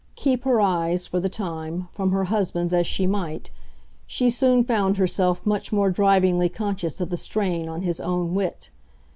Keep her eyes, for the time, from her husband's as she might, she soon found herself much more drivingly conscious of the strain on his own wit.